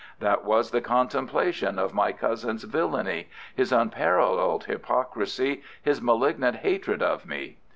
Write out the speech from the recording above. That was the contemplation of my cousin's villainy, his unparalleled hypocrisy, his malignant hatred of me.